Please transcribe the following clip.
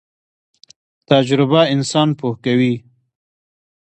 تجربه انسان پوه کوي